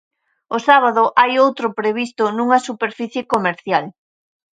O sábado hai outro previsto nunha superficie comercial.